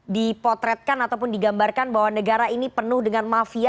dipotretkan ataupun digambarkan bahwa negara ini penuh dengan mafia